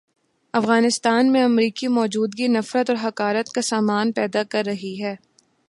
افغانستان میں امریکی موجودگی نفرت اور حقارت کا سامان پیدا کر رہی ہے۔